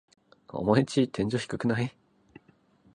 オマエんち天井低くない？